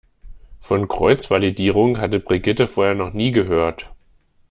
Von Kreuzvalidierung hatte Brigitte vorher noch nie gehört.